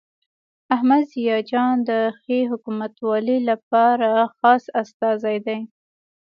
احمد ضیاء جان د ښې حکومتولۍ لپاره خاص استازی دی.